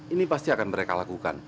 ini pasti akan mereka lakukan